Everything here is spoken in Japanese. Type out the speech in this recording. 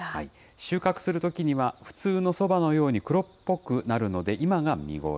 収穫するときには、普通のそばのように黒っぽくなるので、今が見頃。